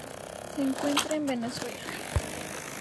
Se encuentra en Venezuela.